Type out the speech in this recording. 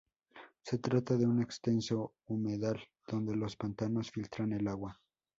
Se trata de un extenso humedal donde los pantanos filtran el agua.